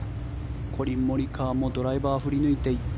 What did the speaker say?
コリン・モリカワもドライバーを振り抜いていった。